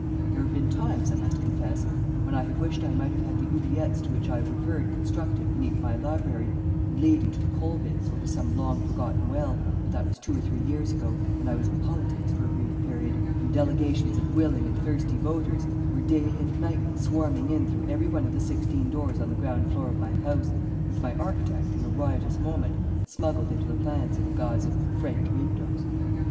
There have been times, I must confess, when I have wished I might have had the oubliettes to which I have referred constructed beneath my library and leading to the coal bins or to some long forgotten well, but that was two or three years ago, when I was in politics for a brief period, and delegations of willing and thirsty voters were daily and nightly swarming in through every one of the sixteen doors on the ground floor of my house, which my architect, in a riotous moment, smuggled into the plans in the guise of "French windows."